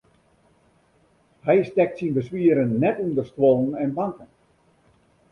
Hy stekt syn beswieren net ûnder stuollen en banken.